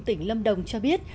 tỉnh lâm đồng cho biết